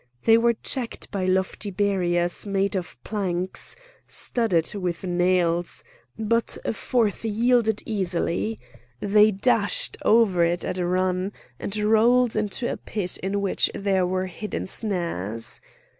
They were checked by lofty barriers made of planks studded with nails, but a fourth yielded easily; they dashed over it at a run and rolled into a pit in which there were hidden snares.